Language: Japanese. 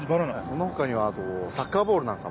そのほかにはあとサッカーボールなんかも。